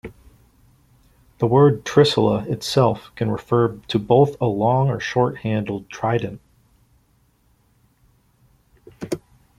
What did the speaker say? The word "trisula" itself can refer to both a long or short-handled trident.